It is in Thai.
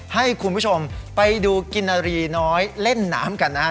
ให้คุณผู้ชมไปดูกินนารีน้อยเล่นน้ำกันนะฮะ